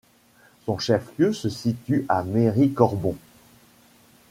Son chef-lieu se situe à Méry-Corbon.